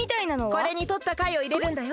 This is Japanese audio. これにとったかいをいれるんだよ。